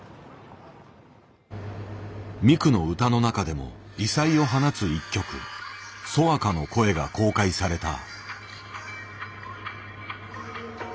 ミクの歌の中でも異彩を放つ一曲「ソワカの声」が公開された。